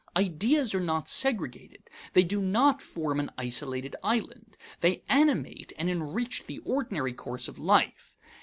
Ideas are not segregated, they do not form an isolated island. They animate and enrich the ordinary course of life.